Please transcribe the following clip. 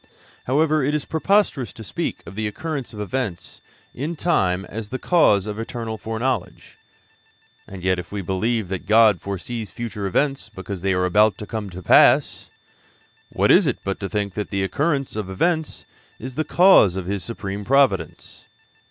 However, it is preposterous to speak of the occurrence of events in time as the cause of eternal foreknowledge. And yet if we believe that God foresees future events because they are about to come to pass, what is it but to think that the occurrence of events is the cause of His supreme providence?